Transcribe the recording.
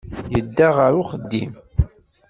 Yedda ɣer uxeddim.